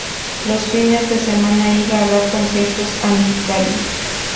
Los fines de semana iba a dar conciertos a Mexicali.